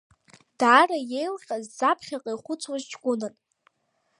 Даара иеилҟьаз, заԥхьаҟа ихәыцуаз ҷкәынан.